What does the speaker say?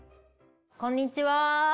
こんにちは。